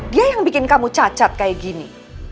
dia yang bikin kamu cacat kayak gini